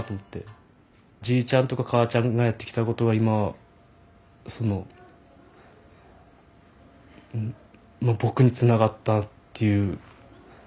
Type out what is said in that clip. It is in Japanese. じいちゃんとか母ちゃんがやってきたことが今その僕につながったっていう。